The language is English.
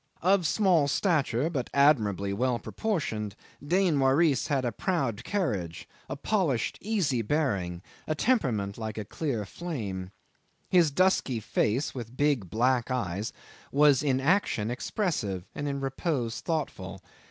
Of small stature, but admirably well proportioned, Dain Waris had a proud carriage, a polished, easy bearing, a temperament like a clear flame. His dusky face, with big black eyes, was in action expressive, and in repose thoughtful.